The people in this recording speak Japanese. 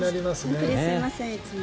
本当にすみませんいつも。